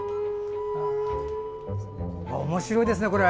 おもしろいですね、これ。